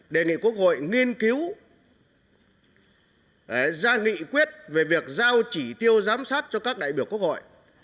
đề nghị quốc hội nghiên cứu ra nghị quyết về việc giao chỉ tiêu giám sát cho các đại biểu quốc hội